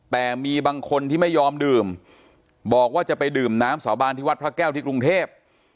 แต่มีบางคนที่ไม่ยอมดื่มบอกว่าจะไปดื่มน้ำสาบานที่วัดพระแก้วที่กรุงเทพ